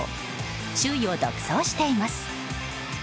首位を独走しています。